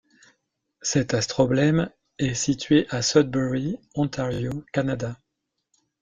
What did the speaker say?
Cet astroblème est situé à Sudbury, Ontario, Canada.